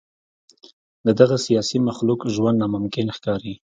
د دغه سیاسي مخلوق ژوند ناممکن ښکاري.